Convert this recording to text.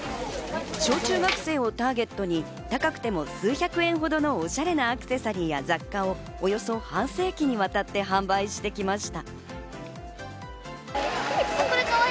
小中学生をターゲットに高くても数百円ほどのおしゃれなアクセサリーや雑貨をおよそ半世紀にわたって販売してきました。